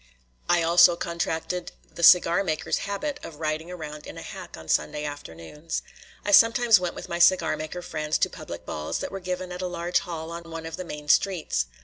I also contracted the cigar maker's habit of riding around in a hack on Sunday afternoons. I sometimes went with my cigar maker friends to public balls that were given at a large hall on one of the main streets.